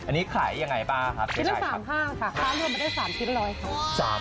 อันนี้ขายยังไงบ้างครับเจ๊ไก่ครับ